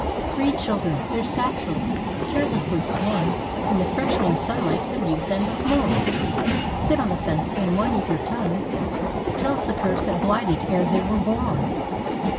Three children, their satchels carelessly swung, In the fresh'ning sunlight of Youth and of Morn, Sit on the fence, and one eager tongue Tells the curse that blighted ere they were born.